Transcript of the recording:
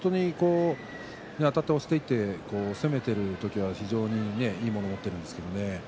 あたって押していって攻めていっている時は非常にいいものを持っているんですけれどもね。